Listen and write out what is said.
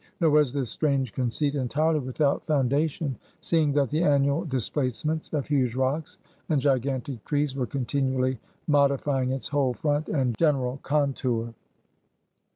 Nor was this strange conceit entirely without foundation, seeing that the annual displacements of huge rocks and gigantic trees were continually modifying its whole front and general contour.